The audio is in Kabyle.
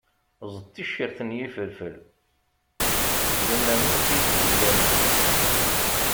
Eẓd ticcert n yifelfel syen rnu-t i tgulla-nni.